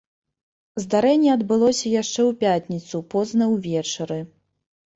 Здарэнне адбылося яшчэ ў пятніцу позна ўвечары.